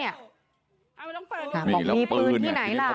บอกมีปืนที่ไหนล่ะ